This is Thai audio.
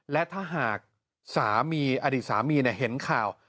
และถ้าหากสามีอดีตสามีเห็นข่าว